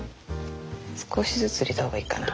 少しずつ入れたほうがいいかな。